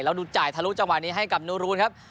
แล้วดูจ่ายทะลุจังหวะนี้ให้กับนูรูนครับ